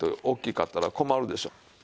大きかったら困るでしょう。